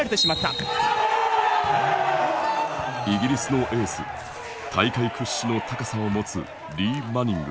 イギリスのエース大会屈指の高さを持つリー・マニング。